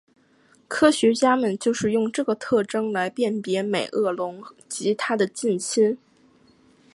科学家们就是用这个特征来辨别美颌龙及它的近亲。